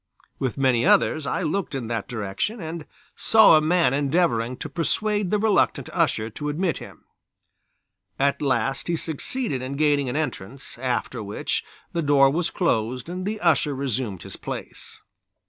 With many others I looked in that direction, and saw a man endeavoring to persuade the reluctant usher to admit him. At last he succeeded in gaining an entrance, after which the door was closed and the usher resumed his place.